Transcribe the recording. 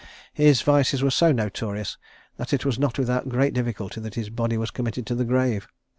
His vices were so notorious, that it was not without great difficulty that his body was committed to the grave.